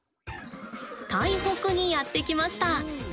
台北にやって来ました。